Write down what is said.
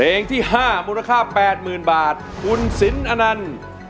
ร้องได้ให้ร้างร้องได้ให้ร้าง